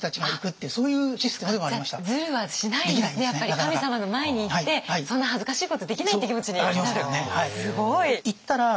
神様の前に行ってそんな恥ずかしいことできない！って気持ちになる。